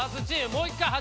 もう１回８